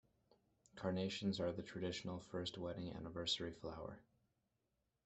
Carnations are the traditional first wedding anniversary flower.